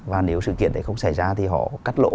và nếu sự kiện đấy không xảy ra thì họ cắt lỗ